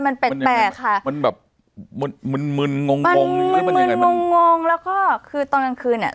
มันเป็นแปลกค่ะมันแบบมึนมึนงงงมึนมึนงงงงแล้วก็คือตอนกลางคืนอ่ะ